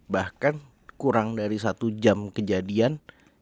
bahkan kurang dari satu jam kejadian